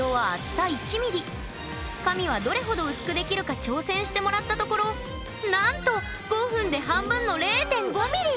神はどれほど薄くできるか挑戦してもらったところなんと５分で半分の０．５ミリ！